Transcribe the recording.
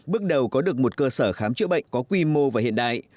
bước đầu có được một cơ sở khám chữa bệnh có quy mô và hiện đại